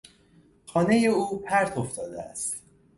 خانهٔ او پرت افتاده است.